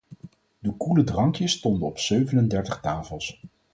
De koele drankjes stonden op zevenendertig tafels.